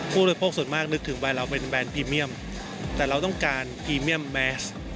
ผู้บริโภคส่วนมากนึกถึงวัยเราเป็นแบรนดพรีเมียมแต่เราต้องการพรีเมียมแมส